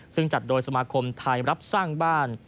ซึ่งจัดโดยสมาคมไทยรับสร้างบ้าน